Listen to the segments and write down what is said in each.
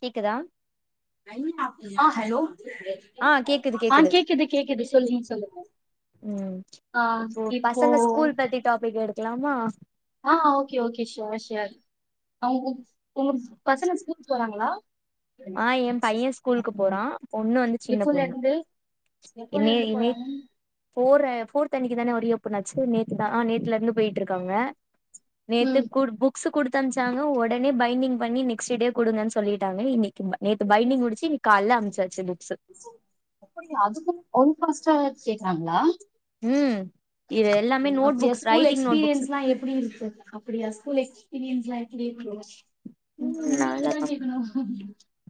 கேக்குதா ஆ ஹலோ ஆ கேக்குது ஆ கேக்குது கேக்குது சொல்லுங்க சொல்லுங்க ம் ஆ இப்போ க்லாமா ஆ ஓகே ஓகே ஷ்யூர் ஷ்யூர் அவுகுப் உங் பசங்க ஸ்கூலுக்கு போறாங்களா ஆ எ பைய ஸ்கூலுக்கு போறா பொண்ணு வந்து சின்ன எப்போல பொண்ணு இருந்து எப்போல இன்னிய இருந்து இனித் போறாங்க போற ஃபோர்த் அன்னிக்கு தான ரீ ஓப் புண்ணாச்சு நேற்று தா ஆ நேத்துலருந்து போய்ட்டுருக்காங்க நேத்து ம் கூட் புக்ஸ் குடுத் தம்சாங்க உடனே பைண்டிங் பண்ணி நெக்ஸ்ட் டே குடுங்கன்னு சொல்லிட்டாங்க இன்னிக் கிம்ப நேத்து பைண்டிங் முடிச்சி இன்னிக்கால அமுச் தச்சுடு அப்டியா அதுக்கும் ஒன்பாஸ்டர் கேக்றாங்ளா ம் இது எல்லாமே நோட் அப்டியா books school writing note books எக்ஸ்பீரியன்ஸ்லா எப்டி இருக்கு அப்டியா ஸ்கூல் எஸ்பீரியன்ஸ்லா டிக்ரோ உ ம் உங்ளுக்கு தா நாளாதா கேக்கணு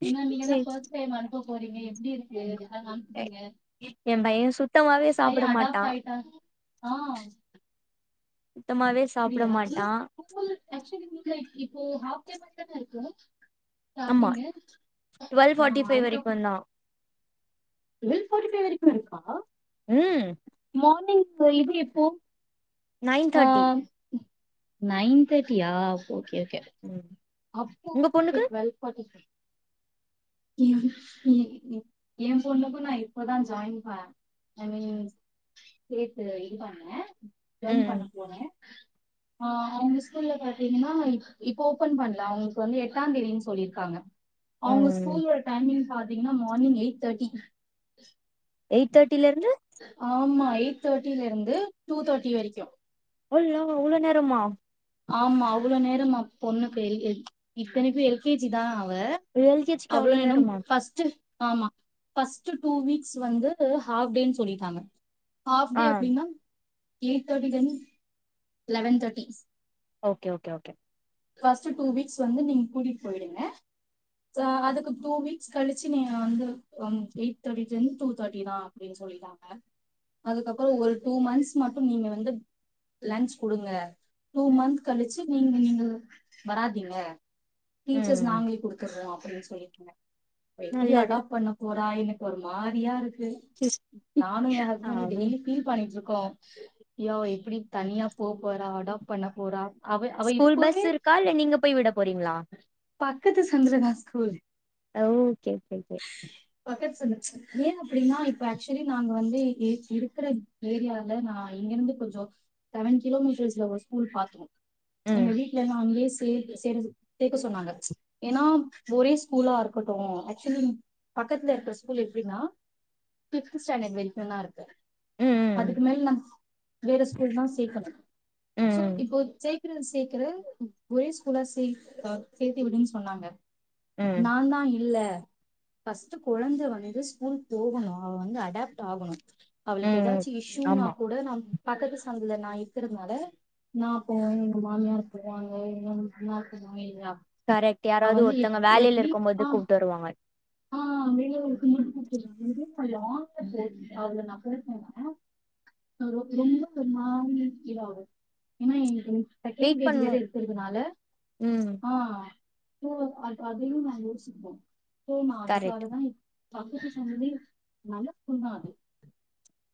ஏனா நீங்க தா ஃபஸ்ட் டைம் அனுப் எப்போ போறீங்க எப்டி இருக்கு அதா அனுப்புனீங்க எ எ பைய சுத்தமாவே பைய சாப்ட மாட்டா அடாப்ட் ஆயிட்டா ஆ சுத்தமாவே சாப்ட அப்டியா மாட்டா இப்போ ஆஃப் கே மாரி தான இருக்கு ஆமா ஸ்டாடிங்கு டுவெல் ஆ ஃபார்ட்டி ஃபைவ் அதுக்கப் வரைக்கும் தான் டுவெல் ஃபார்ட்டி ஃபைவ் வரைக்கும் இருக்கா ம் மார்னிங் இது எப்போ நைன் ஆ தேட்டி நைன் தேர்ட்டியா ஓகே ஓகே ஓகே உ அப்போ ஓகே டுவெல் ஃபோர் இருக்கு ஏ பொண்ணக்கு நா இப்பதா ஜாயின் பா பன்னி சேத்து இது பண்ணே ஜாயின் ம் பண்ண போனே ஆ அவங்க ஸ்கூல்ல பாத்தீங்கன்னா இப்ப ஓபன் பண்ல அவங்களுக்கு வந்து எட்டாந் தேதினு சொல்லிருக்காங்க அவங்கஸ் ம் ஸ்கூலோட டைமிங் பாத்து இங்கலா மார்னிங் எயிட் தேர்டிக்கி எயிட் தேர்ட்டிலருந்து ஃபை தேர்டில இருந்து டூ தேர்டி வரைக்கு ஹய்யோ அவ்ளோ நேரமா ஆமா அவ்வளோ நேரமா பொண்ணுக்கு இத்தனைக்கு எல் கே ஜி தா அவ ஒரு எல் கே ஜிகு அவ்ளோ நேரம் நேரமா ஃபர்ஸ்ட் ஆமா ஃபஸ்ட்டு டூ வீக்ஸ் வந்து ஹோ ஹாஃப் டேனு சொல்லிட்டாங்க ஹாஃப் ஆ டே அப்டின்னா எயிட் தேர்ட்டிலருந்து eleven thirty okay okay okay first two weeks வந்து நீங்க கூட்டிட்டு போயிடுங்க அதுக்கு டு வீக்ஸ் கழிச்சு நீங்க வந்து எய்ட்டு தேட்டி லந்து டுத்தேட்டி தா அப்டினு சொல்லிட்டாங்க அதுக்கப்பறோ ஒரு டுமந்த்ஸ் மட்டு நீங்க வந்து லஞ்ச் குடுங்க டூமன்ஸ் கழிச்சி நீங்க நீங்க வராதீங்க டீச்சர்ஸ் ம் நாங்களே குடுத்துர்றோ அப்டின்னு சொல்லிகுங்க ப்ப எப்டி நல்லது அடாப்ட் பண்ண போ தா எனக்கு ஒரு மாரியா இருக்கு நானு எ ஆ ஹஸ்பண்டு ம் டெய்லி ஃபீல் பண்ணிட்டு இருக்கோ போ அய்யோ எப்டி தனியா போ போறா அடாப்ட் பண்ன போறா அவ அவ இப்பவே கால்ல நீங்க போய் வி பக்கத்து சந்துலதா ஸ்கூலு அ ஓகே ஓகே ஓகே பக்கத்து சந்து ஏ அப்டின்னா இப்ப ஆக்சுவலி நாங்க வந்து இ இருக்குற ஏரியால நா இங்கெருந்து கொஞ்சொ செவன் கிலோமீட்டர்ஸ்ல ஒரு ஸ்கூல் பாத்தோ ம் எங்க வீட்டுலல்லா அங்கயே சேக்க செரி சேக்க சொன்னாங்க ஏன்னா ஒரே ஸ்கூலாருக்கட்டு ஆக்சுவலி பக்கத்ல இருக்க ஸ்கூல் எப்டின்னா ஃபிஃப்த்து ஸ்டாண்டர்ட் வரிக்குந்தா இருக்கு ம் அதுக்கு ம் மேல் நா வேற ஸ்கூல் தா சேக்கணு சோ ம் இப்போ சை க்கிற சேக்கிற ஒரே ஸ்கூலா சே அ சேத்தி விடுன் சொன்னாங்க ம் நாந்தா இல்ல [inaudible] ஃபஸ்ட்டு கொழந்த வந்து ஸ்கூல் போகணு அவ வந்து அடாப்ட் ஆகணு அவளுக்கு ம் எதாச்சு இஷ்யூனா ஆமா கூட நம் பக்கத்து சந்துல நா இருக்கறதுனால நா போவெ எங்க மாமியார் போவாங்க எங்க நாத்தனா இல்யா கரெக்ட் யாராவுது ஒருத்தங்க வேலைல ஆ இருக்கும்போது கூப்டு வருவாங்க [unintelligible] ரொம்ப ஒரு மாரி ஃபீல் ஆகு ஏனா எனக்கு செகண்ட் வெயிட் பேபி வேற பண்ணும் இருக்குறதுனால ம் ஆ ம் அ அதையு நாங் யோசிப்போ போ நா கரெக்ட் அதுக்காகதா இ பக்கத்து சொன்னொனே நல்ல ஸ்கூல் தா அது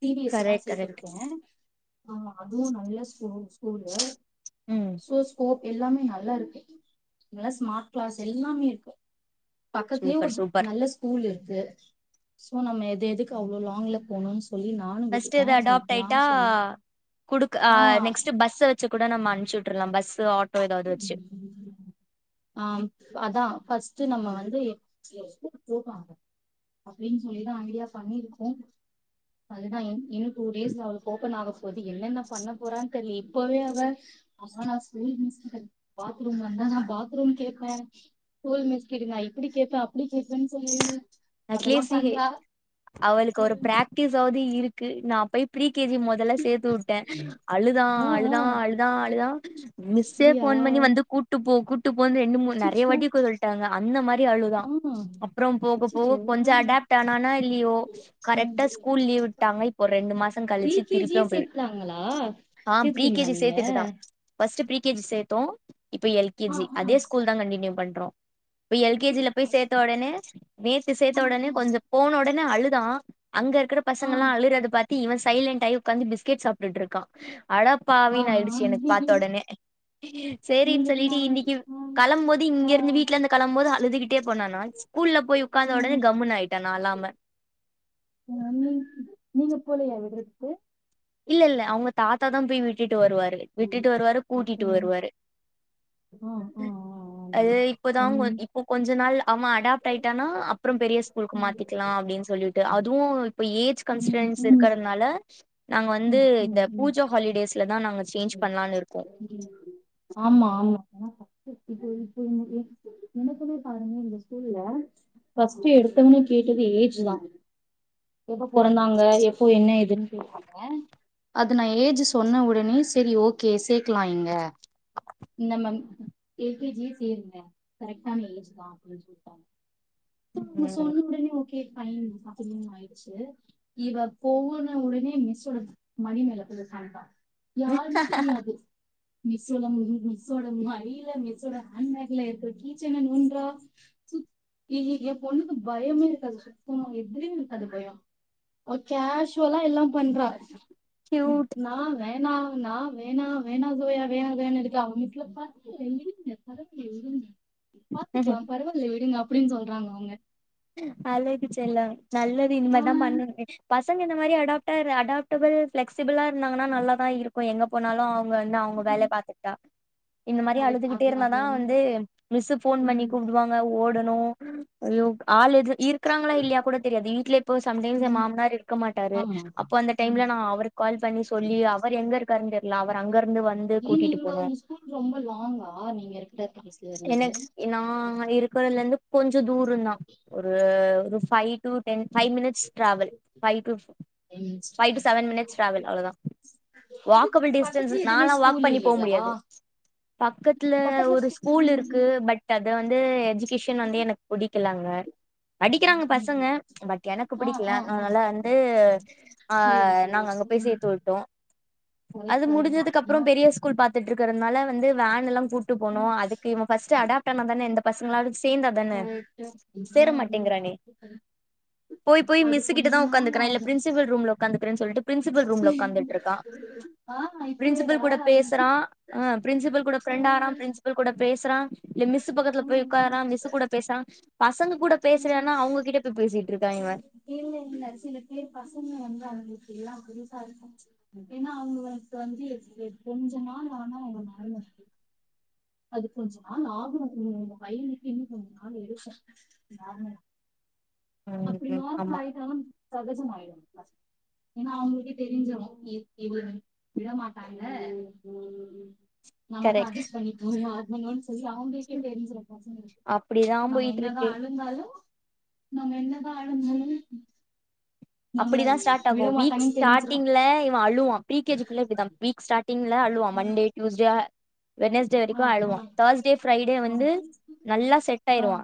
சி பி எஸ் சி தா கரெக்ட் கரெக்ட் சேத்துருக்கே ஆமா அதுவு நல்ல ஸ்கூல் ஸ்கூலு ம் சோ ஸ்போ எல்லாமே நல்லாருக்கு இங்கெலா ஸ்மார்ட் கிளாஸ் எல்லாமே இருக்கு க்கத்லே சூப்பர் ஒரு சூப்பர் நல்ல ஸ்கூல் இரு க்கு சோ நம்ம எத எதுக்கு அவ்ளோ லாங்ல போனுன் ஃபஸ்ட்டு இது அடாப்ட் ஆயிட்டா குடுக்க ஆ நெக்ஸ்ட்டு பஸ்ஸ வச்சு கூட நம்ம அனுப்ச்சு விட்றலா பஸ்ஸு ஆட் ஆ அதா ஃபஸ் ட்டு நம்ம வந்து எப் எப்டி போவா அவ‌ அப்டின் சொல்லிதா ஐடியா பண்ணிருக்கோ அதுதா என் இன்னு டூ டேஸ் ல அவளுக்கு ஓபன் ஆக இப்போதைக்கு என்னென்ன பண்ண போறா தெரியயே இப்பவே அவ [unintelligible] பாத்ரூம் வந்தா நா பாத்ரூம் கேட்பே ஸ்கூல் மஸ்கிட்டு நா இப்படி கேட்பே அப்படி கேட்பேன்னு சொல்லி அதெல்லா அட்லீஸ பண்றா அவளுக்கு ஒரு பிராக்டிஸ்சாவது இருக் க்கு நாபோய் ப்ரீ கேஜி முதல்ல சேர்த்து விட்டே அழுதா ஆ ஆ அழுதா அழுதா அழுதா மிஸ்ஸே அப்டியா போன் பண்ணி வந்து கூட்டு போ கூ ஒந்தே ரெண்டு மூன் நெறைய அச்சச்சோ வட்டிக்கு இருக சொல்ட்டாங்க அந்த மாரி அழுதா ஆ அப்புறம் போக இப்போ அச்சச்சோ கொஞ்ச ஆ அப்ட் ஆனாநோ இல்லையோ ம் கரெக்ட ஸ்கூல் லீவு விட்டாங்க இப்ப ரெண்டு மாசம் ப்ரீ கழிச்சு கே ஜி திருப்பிய யே போய் சேத்துட்டாங்களா அ சேத்துட்டீங்களா பிரீகேஜி சேத்துடு நீங்க தா ஃபஸ்ட் பிரீகேஜி சேத்தோ இப்ப ஆ எல்கேஜி ஆ அதே ஸ்கூல் தா கண்டினியூ பண்றோ இப்ப எல் கே அப்டியா ஜில போய் சேர்த்த உடனே சேத்து சேத்த ஆ உடனே ஆ கொஞ்ச போனோட என்னா அழுதா அங்க இருக்கிற ஆ பசங்கல்லா அழுறது பாத்தி இவ சைலண்ட் ஆய் உக்காந்து பிஸ்கெட் சாப்பிடிடு இருக்கா ஆ அடப்பாவின் ஆ ஆயிடுச்சு எனக்கு பார்த்த உடனே சரின்னு இவளுக்கு நா சொல்லிட்டு வந்து இன்னைக்கு ஆ களம்பபோது இங்க ஆ இருந்து வீட்டுல இருந்து களம் பெது அழுதுகிட்டே போனான் நா ஸ்கூல்ல போய் உட்காந்த ம் உடனே கம்முனு ஆயிட்டே நா இல்லாம ஆ, நீ நீங்க போலையா விடுறதுகு இல்ல இல்ல அவங்க தாத்தா தா போய் விட்டுட் ட்டு வருவரு விட்டுட்டு வருவாரு கூட்டிட்டு அப்டியா வருவாரு ஆ ஆ ஆ ஆ அது நைஸ் இப்பதா கொஞ் ம் இப்போ கொஞ்ச நாள்ல அவ அடாப்ட் ஆயிட்டானா அப்புறம் பெரிய ஸ்கூலுக்கு ம் மாத்திக்கலா அப்படின்னு சொல்லிட்டு அதுவும் அவ ஏஜ் ம் கன்சன்ஸ் ம் இருக்கிறதுனால நாங்க வந்து ம் ம் இந்த ம் பூஜா ஹாலிடேஸ்லதா நாங்க சேஞ்ச் பண்ணலாம்னு இருக்கோ ஆமா ஆமா [unintelligible] எனக்குமே பாருங்க இந்த ஸ்கூல்ல ஃபஸ்ட்டு எடுத்தவனே கேட்டது ஏஜ் தா எப்போ பிறந்தாங்க எப்போ என்ன இது ந [unintelligible] அ அது நா ஏஜ் சொன்ன உடனே சேரி ஓகே சேர்கலா இங்க இந்த மந் எல் கே ஜி சேருங்க கரெக்டான ஏஜ் தா அப்படின்னு சொல்லிட்டாங்க [unintelligible] ம் சொன்னு உடனே ஓகே பன் சாப்பீடனு ஆயிடுச்சு இவ போன உடனே மிஸ் மடி மேல போய் ஒக்காந்துக்குவா யாருன்னே தெரியாது மிஸ் சோட மிஸ்சோட மடில ஹண்ட்பேக்ல இருக்க கீச்செயின் அ நொன்றா என் பொண்ணுக்கு பயமே இருக்காது சுத்தம் எதுலயும் இருக்காது பயம் கேஷவலா எல்லாம் பண்றா கியூட் நான் வே அன்னா நான் வேணா வேணா சோயா வேணானத்துக்கு அவ மிஸ் பார்த்து பாத்துக்கலாம் பரவாயில்ல விடுங்க அப்படின்னு சொல்றாங்க அவங்க அலச் லாம் நல்லது ஆ இனிமேதான் பண்ணனும் இந்த மாதிரி அடாப்ட அடாப்டபிள் பிளெக்சிபிளா இருந்தங்கன்னா நல்லா தான் இருக்கும் எங்க போனாலும் அவங்க வந்து அவங்க வேலை பாத்துட்டா இந்த மாதிரி கரெக்ட் அழுதுகிட்டே அது இருந்தா அது தான் வந்து மிஸ் போன் பண்ணி கூப்பிடுவாங்க ஓடு னும் அய்யோ ஆளது இ இருக்கறாங்களா இல்லையா கூட தெரியாது வீட்ல இப்போ சம்டைம் ம் மாமனார் இருக்க மாட்டாரு ஆமா அப்ப அந்த டைம்ல நான் அவருக்கு கால் பண்ண சொல்லி அவர் எங்க இருக்கருனு தெர்ல அவர் அங்க இருந்து வந்து கூட்டிட்டு நீங்க போனு உங்க ஸ்கூல் ரொம்ப லாங்கா நீங்க இருக்க பிலேஸ்ல இருந்து கொஞ்சம் தூரந்தான் ஒரு ஒரு five to ten five minutes travel five to seven மினிட்ஸீ ட்ராவல்அவ்வேளதான் டிஸ்டன்ஸ் இது வாக்கபில் டிஸ்டன்ஸ் பக்கத்துல எதுவுமே வாக் ஸ்கூல் பண்ணி போக இல்லையா முடியாது பக்கத்துல பக்கத்துல ஒரு ஸ்கூல்இருக்கு ஸ்கூல் பட் வந்து எஜிகேஷன் வந்து எனக்கு புடிக்கல அங்க படிக்கிறாங்க பசங்க பட் எனக்கு ஆ பிடிக்கல ஆ நல்லா ஆ வந்து புரியுது அஹ் நாங்க புரியுது அங்க போய் சேர்த்து விட்டோம் கரெக்ட் அது கரெக்ட் தா முடிஞ்சதுக்கு அப்புறம் ஆ பெரிய ஸ்கூல் பாத் தட்டு இருக்கிறதுனால வந்து வேன்லாம் கூட்டு போனும் ஆ அதுக்கு இவன் பர்ஸ்ட் அடாப்ட் ஆனாதானே எந்த பசங்களாலும் சேந்தாதானே கரெக்ட் சேர மாட்டேங்கிறானே போய் போய் அது மிஸ்ஸு கிட்ட கொஞ்ச தான் நாள் உட்காந்துக்கிறான் இல்ல ஆகும் பிரின்சிபல் ரூம்ல உக்கந்து னு சொல்லிட்டு பிரின்சிபல் ரூம்ல உட்காந்துட்டு இருக்கான் ஆ பிரின்சிபல் இப்பவேவா கூட பேசுறான் ஆஹ் பிரின்சிபல் கூட பிரெண்ட் ஆகறான் ம் பிரின்சிபல் கூட பேசுறான் இல்ல மிஸ் பக்கத்துல போய் ம் ம் உட்காரறான் மிஸ் கூட பேசுறான் பசங்க கூட ம் பேசுறேனா அவங்ககிட்ட போய் பேசிட்டு இருக்கா இவ இல்ல இல்ல சில பேர் பசங்க வந்தா எல்லாம் புதுசா இருக்கு ஏன்னா அவங்களுக்கு வந்து கொஞ்ச நாள் ஆனா அவங்க மறந்து இரு அது கொஞ்ச நாள் ஆகனு உங்க பையனுக்கு இன்னு கொஞ்ச நாள் எடுக்கு [inaudible] ம் அப்டி ம் நார்மல் ஆமா ஆயட்டுலு சகஜமா ஆய்ரு ஏன்னா அவங்களுக்கே தெரிஞ்சிரு இது விட மாட்டாங்க நமதா கரெக்ட் அஜெஸ்ப்பன்னி னு னு சரி அவங்களுக்கே தெரிஞ்சிரு பசங்களுக்கு அப்டிதா நம்ம போயிட்டு என்னதா இருக்கு அழுந்தாலு நம்ம என்னதா ஆளுங்கள் அப்டிதா ஸ்டார்ட் ஆகு வீக் தெரிஞ்சிரு ஸ்டார்டிங்ல இவ அழுவா பிரி கே ஜிக்குள்ள இப்டிதா வீக் ஸ்டாட் டிங்ள அழுவா மண்டே டியூஸ்டே வென்ஸ்டே ஆ வரைக்கு ஆ அழுவா தேர்ஸ்டே ஃப்ரைடே வந்து நல்லா செட் ஆ ஆ ஆயிருவா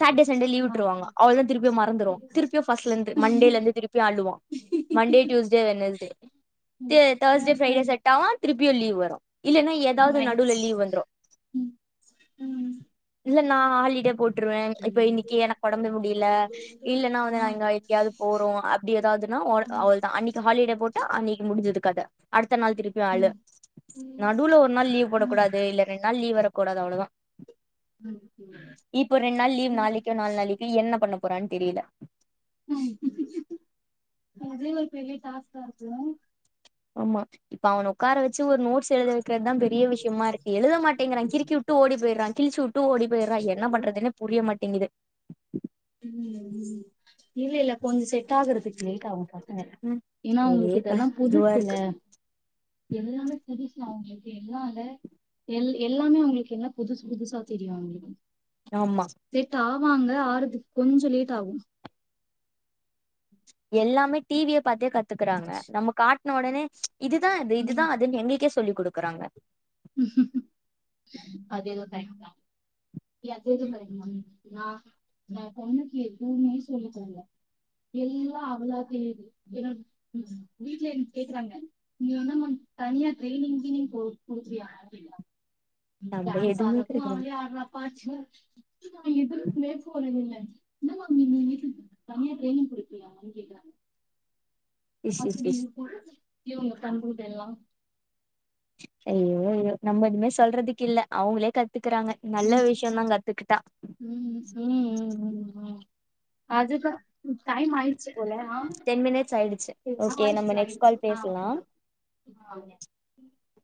சாட்டர்டே சண்டே ஆ லீவ்வுட்ருவாங்க அவ்ளதா திருப்பியு மாற மருந்துரு திருப்பியு ஃபஸ்ட்லருந்து மண்டேல இருந்து திருப் அழுவா மண்டே டூயுஸ்டே வெனஸ்டே ம் தேர்ஸ்டே ம் ஃபிரைடே ம் செட் ஆவா திருப் ப்பயு லீவு வரு இல்லனா ஏதாவது நடுவுல நைஸ் லீவ் வந்துரு ம் ம் இல்ல நா ஹாலிடே போட்ருவே இப்ப இன்னைக்கு ம் எனக்கு ஒடம்பு முடியல இல்லனா வந்து நா எங்க எங்கேயாவது போறோ அப் ஏதாவதுனா ஓ அவள்தா அன்னைக்கு ஹாலிடே போட்டா அன்னைக்கு முடி ஞ்சது கத அடுத் த்தநாள் திருப்பி அள ம் நடுவுல ஒரு நாள் லீவ் போடக்கூடாது இல்ல ரெண்டு நாள் லீவ் வர கூடாது அவ்ளதா இப்போ ரெண்டு நாள் லீவ் நாளைக்கோ நாலுனாளைக்கு என்ன பண்ண போறான் தெரியல உ அதே ஒரு பெரிய டாஸ்கா இருக்கு உ ஆமா இப்ப அவன உக்கார வச் சு ஒரு நோட்ஸ் எழுதவக்கிறதுதா பெரிய விஷயமா இருக்கு எழுதமாட்டேங்கிறா கிருக்கி வுட்டு ஓடி போயிர்றா தீ சுட் டு ஓடி போயிர்றா என்ன பண்றதுனே புரிய மாட்டெங்குது ம் ம் இல்லெல்ல கொஞ்சொ செட் ஆகுறதுக்கு லேட்டா ஆவுக்கா ம் இல்ல ஒரே அவுங்களுக்கு க இதெல்லா இதுவா புதுசுல இருக்கு எல்லாமே புதுசு அவுங்களுக் கென்னால எல் எல்லாமே அவுங்களுக்கு என்ன புதுசு புதுசா தெரியு அவுங்ளுக்கு அவுங்களுக்கு ஆமா வாங்க ஆறுது கொஞ்ச லேட்டாகு எல்லாமே டி வி ய பாத்தே கத்துக்குறாங்க நம்ம காட்ன ஒடனே இதுதா இது இதுதா அதுன் எங்களுக்கே சொல்லி குடுக்குறாங்க அதேதொ டைம்தா அதெதோ [unintelligible] நா எ பொண்ணுக்கு எதுவ்மே சொல்லி தர்ல எல்லா அவளா தெரியிது என வீட்ல என்ன கேக்குறாங்க நீ என்னமா தனியா ட்ரெய்னிங் கீனிங் போ குடுக்குறியா அப்டிங்குறாங்க நம்ம டான்ஸ் எதுவுமே ஆர்றது கெடைக்கிறது அவளே ஆட்றா பாச்ச நா எதுவ்மே போறதில்ல என்னமா நீ வீட்ல தனியா ட்ரெய்னிங் குடுக்குறியாமான் கேக்குறாங்க இஷ் இஷ் அப்டி இஷ் இருக்கு இவுங்க பண்றதெல்லா ஐயோ ஐயோ நம்ம எதுமே சொல்றதுக்கில்ல அவுங்களே கத் துக்குறாங்க நல்ல ம் விஷ்யந்தா கத்துக்கிட்டா ம் ம் ம் ம் ம் அதுதா டைம் ஆயி ச்சு போல ஆ ம் டென் மினிட்ஸ் ஆயிடுச்சு ஆ ஓகே நம்ம ஆயிர்ச்சு நெக்ஸ்ட் ஆயிர்ச்சு கால் ஆ பேசலா ஓகே மேம் [unintelligible]